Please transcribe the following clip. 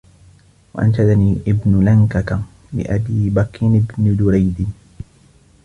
وَأَنْشَدَنِي ابْنُ لَنْكَكَ لِأَبِي بَكْرِ بْنِ دُرَيْدٍ